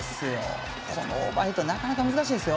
このオーバーヘッドなかなか難しいですよ。